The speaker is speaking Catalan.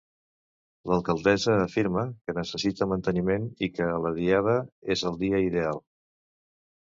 L'alcaldessa afirma que necessita manteniment i que la diada és el dia ideal.